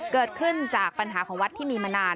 เกิดขึ้นจากปัญหาของวัดที่มีมานาน